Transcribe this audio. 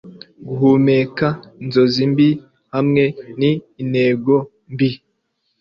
guhumeka inzozi mbi hamwe nintego mbi